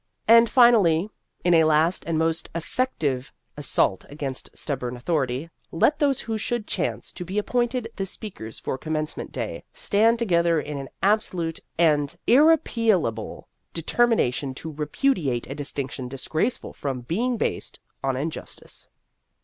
And fi nally, in a last and most effective assault against stubborn authority, let those who should chance to be appointed the speak ers for Commencement Day stand to gether in an absolute and irrepealable determination to repudiate a distinction disgraceful from being based on injustice.